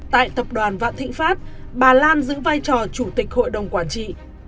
tại tập đoàn vạn thịnh pháp bà lan giữ vai trò chủ tịch hội đồng quản trị